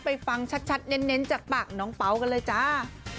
ไปฟังชัดเน้นจากปากน้องเป๋ากันเลยจ้า